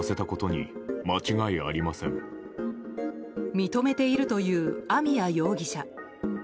認めているという網谷容疑者。